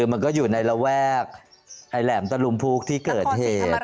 มันก็อยู่ในระแวกไอ้แหลมตะลุมพุกที่เกิดเหตุ